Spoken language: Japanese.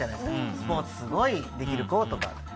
スポーツすごいできる子とか。